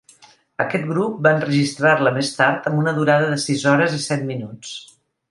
Aquest grup va enregistrar-la més tard amb una durada de sis hores i set minuts.